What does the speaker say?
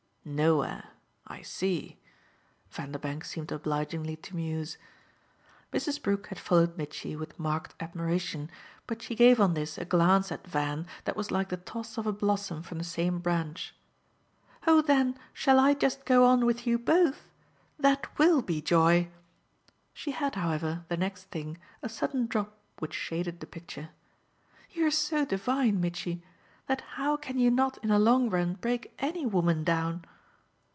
"Nowhere, I see," Vanderbank seemed obligingly to muse. Mrs. Brook had followed Mitchy with marked admiration, but she gave on this a glance at Van that was like the toss of a blossom from the same branch. "Oh then shall I just go on with you BOTH? That WILL be joy!" She had, however, the next thing, a sudden drop which shaded the picture. "You're so divine, Mitchy, that how can you not in the long run break ANY woman down?"